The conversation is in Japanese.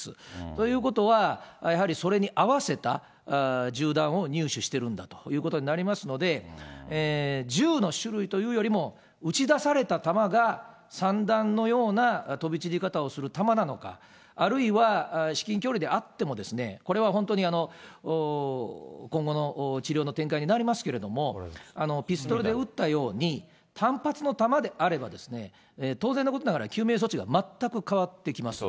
ということは、やはりそれに合わせた銃弾を入手してるんだということになりますので、銃の種類というよりも、撃ち出された弾が散弾のような飛び散り方をする弾なのか、あるいは至近距離であっても、これは本当に今後の治療の展開になりますけれども、ピストルで撃ったように、単発の弾であれば、当然のことながら、救命処置が全く変わってきます。